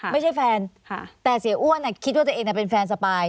ไม่ใช่แฟนแต่เสียอ้วนคิดว่าตัวเองเป็นแฟนสปาย